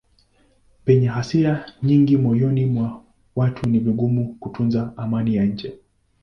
Penye hasira nyingi moyoni mwa watu ni vigumu kutunza amani ya nje.